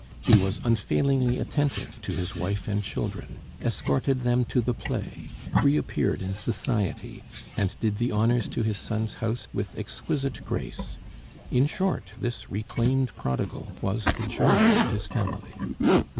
He was unfailingly attentive to his wife and children, escorted them to the play, reappeared in society, and did the honors to his son's house with exquisite grace. In short, this reclaimed prodigal was the joy of his family.